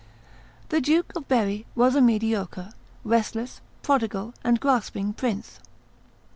The Duke of Berry was a mediocre, restless, prodigal, and grasping prince.